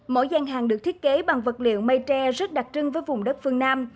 mỗi gian hàng được thiết kế bằng vật liệu mây tre rất đặc trưng với vùng đất phương nam